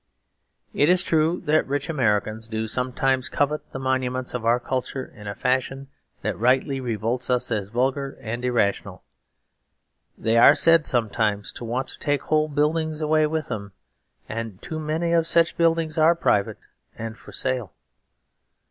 It is true that rich Americans do sometimes covet the monuments of our culture in a fashion that rightly revolts us as vulgar and irrational. They are said sometimes to want to take whole buildings away with them; and too many of such buildings are private and for sale.